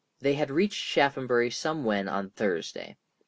They had reached Shaphambury somewhen on Thursday.